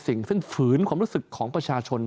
สิ่งฝืนของรู้สึกของประชาชน